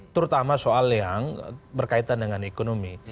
terutama soal yang berkaitan dengan ekonomi